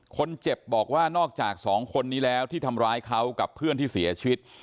คนเจ็บบอกว่านอกจากสองคนนี้แล้วที่ทำร้ายเขากับเพื่อนที่เสียชีวิต